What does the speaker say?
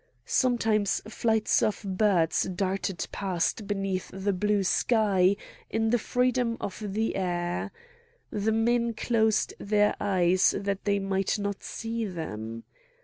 Sometimes flights of birds darted past beneath the blue sky in the freedom of the air. The men closed their eyes that they might not see them.